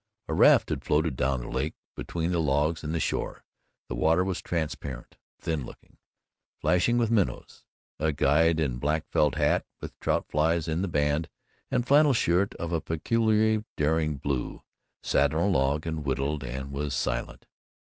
A raft had floated down the lake; between the logs and the shore, the water was transparent, thin looking, flashing with minnows. A guide in black felt hat with trout flies in the band, and flannel shirt of a peculiarly daring blue, sat on a log and whittled and was silent.